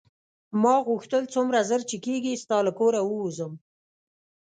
ما غوښتل څومره ژر چې کېږي ستا له کوره ووځم.